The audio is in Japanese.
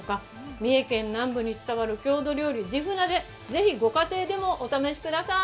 三重県南部に伝わる郷土料理じふ鍋、ぜひご家庭でもお試しください。